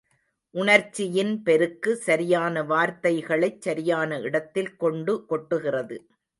உணர்ச்சியின் பெருக்கு, சரியான வார்த்தைகளைச் சரியான இடத்தில் கொண்டு கொட்டுகிறது.